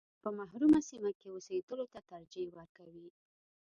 په محرومه سیمه کې اوسېدلو ته ترجیح ورکوي.